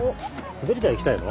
滑り台行きたいの？